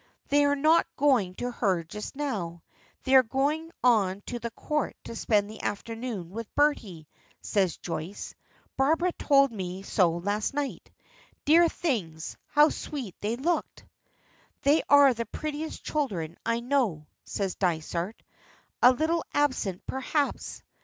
"They are not going to her just now. They are going on to the Court to spend the afternoon with Bertie," says Joyce; "Barbara told me so last night. Dear things! How sweet they looked!" "They are the prettiest children I know," says Dysart a little absent perhaps.